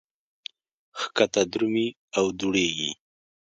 ښکته درومي او دوړېږي.